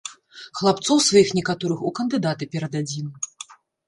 Хлапцоў сваіх некаторых у кандыдаты перададзім.